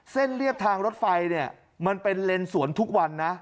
เส้นเรียกทางรถไฟมันเป็นเลนส์สวนทุกวันนะ